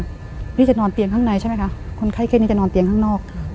พี่จะนอนเตียงข้างในใช่ไหมคะคนไข้แค่นี้จะนอนเตียงข้างนอก